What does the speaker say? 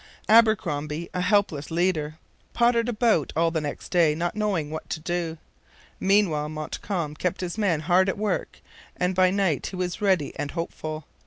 Abercromby, a helpless leader, pottered about all the next day, not knowing what to do. Meanwhile Montcalm kept his men hard at work, and by night he was ready and hopeful.